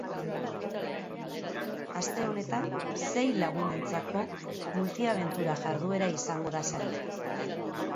Aste honetan, sei lagunentzako multiabentura jarduera izango da saria.